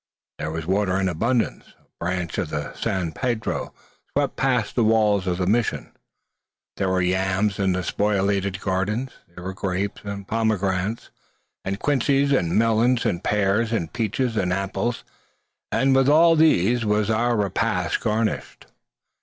There was water in abundance. A branch of the San Pedro swept past the walls of the mission. There were yams in the spoliated gardens; there were grapes, and pomegranates, and quinces, and melons, and pears, and peaches, and apples; and with all these was our repast garnished.